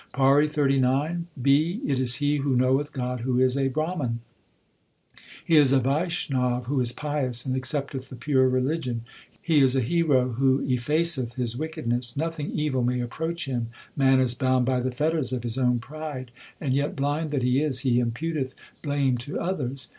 PAURI XXXIX B. It is he who knoweth God who is a Brahman ; He is a Vaishnav who is pious, and accept eth the pure religion. He is a hero who effaceth his wickedness : Nothing evil may approach him. Man is bound by the fetters of his own pride, And yet, blind that he is, he imputeth blame to others.